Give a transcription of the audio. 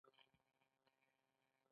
ښایست د شنه ځنګل ساه ده